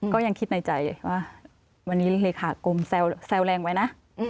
ก็ยังคิดในใจว่าวันนี้เลขากรมแซวแรงไว้นะ